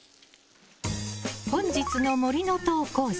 本日の森の投稿者